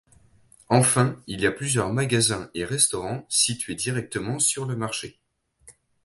Enfin, il y a plusieurs magasins et restaurant situés directement sur le marché.